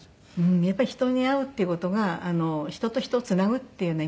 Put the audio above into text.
やっぱり人に会うっていう事が人と人をつなぐっていうような意味ですよね。